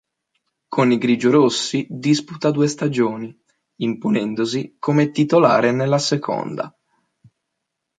Con i grigiorossi disputa due stagioni, imponendosi come titolare nella seconda.